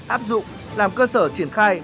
áp dụng làm cơ sở triển khai